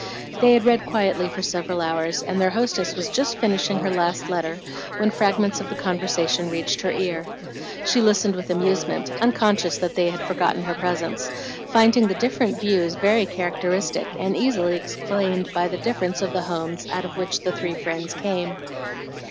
They had read quietly for several hours, and their hostess was just finishing her last letter when fragments of the conversation reached her ear. She listened with amusement, unconscious that they had forgotten her presence, finding the different views very characteristic, and easily explained by the difference of the homes out of which the three friends came.